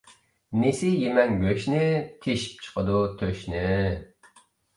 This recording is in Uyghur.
نېسى يېمەڭ گۆشنى، تېشىپ چىقىدۇ تۆشنى.